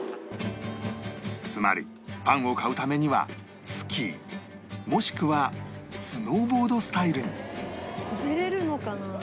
つまりパンを買うためにはスキーもしくはスノーボードスタイルに滑れるのかな？